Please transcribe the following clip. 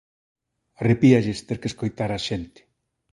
Arrepíalles ter que escoitar a xente.